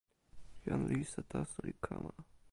jan Lisa taso li kama.